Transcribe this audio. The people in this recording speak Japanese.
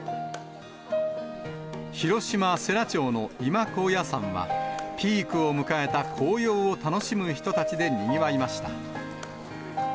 広島・世羅町の今高野山は、ピークを迎えた紅葉を楽しむ人たちでにぎわいました。